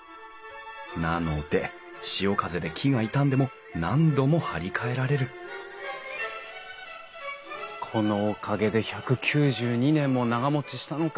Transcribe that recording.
なので潮風で木が傷んでも何度も張り替えられるこのおかげで１９２年も長もちしたのか。